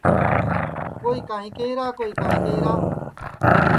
کوئی کائیں کہیرا کوئی کائیں کہیرا